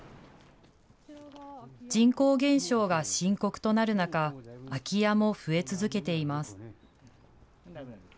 人口減少が深刻となる中、空き家も増え続けています。